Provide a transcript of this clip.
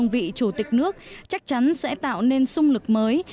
bị chủ tịch nước chắc chắn sẽ tạo nên xung lực mới